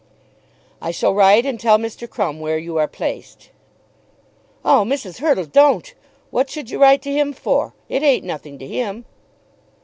"I shall write and tell Mr. Crumb where you are placed." "Oh, Mrs. Hurtle, don't. What should you write to him for? It ain't nothing to him."